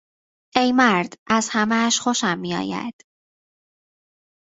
ای مرد، از همهاش خوشم میآید!